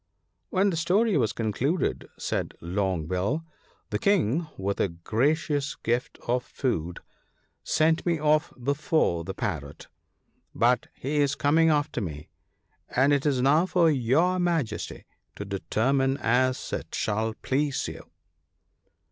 " When the story was concluded," said Long bill, " the King, with a gracious gift of food, sent me off before the Parrot ; but he is coming after me, and it is now for your Majesty to determine as it shall please you."